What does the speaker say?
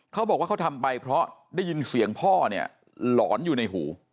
เขาบอกว่าเขาทำไปเพราะได้ยินเสียงพ่อเนี่ยหลอนอยู่ในหู